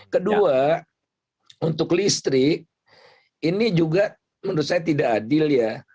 kedua untuk listrik ini juga menurut saya tidak adil ya